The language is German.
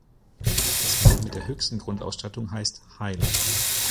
Das Modell mit der höchsten Grundausstattung heißt "Highline".